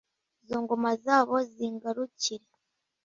izo ngoma zabo zingarukire